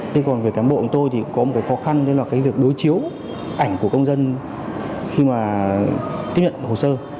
thế còn về cán bộ của tôi thì có một cái khó khăn đó là cái việc đối chiếu ảnh của công dân khi mà tiếp nhận hồ sơ